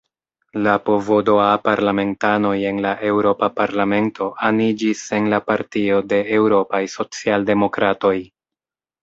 La PvdA-parlamentanoj en la Eŭropa Parlamento aniĝis en la Partio de Eŭropaj Socialdemokratoj.